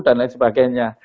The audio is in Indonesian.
dan lain sebagainya